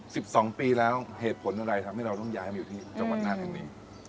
สิบสองปีแล้วเหตุผลอะไรทำให้เราต้องย้ายมาอยู่ที่จังหวัดน่านแห่งนี้